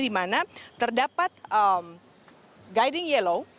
di mana terdapat guiding yellow